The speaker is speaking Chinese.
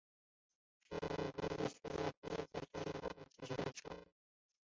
生物可分解塑胶是在工业堆肥器中降解的生物聚合物。